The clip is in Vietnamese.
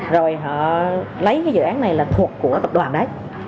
rồi họ lấy cái dự án này là thuộc của tập đoàn đấy